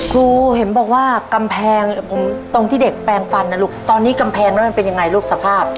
ครูเห็นบอกว่ากำแพงตรงที่เด็กแปลงฟันนะลูกตอนนี้กำแพงนั้นมันเป็นยังไงลูกสภาพ